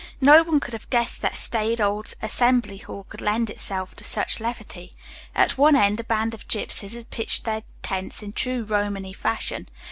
No one would have guessed that staid old Assembly Hall could lend itself to such levity. At one end a band of gypsies had pitched their tents in true Romany fashion.